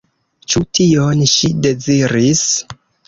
Ĉu tion ŝi deziris?